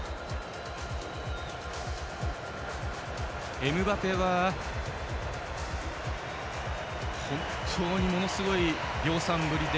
エムバペは本当にものすごい量産ぶりで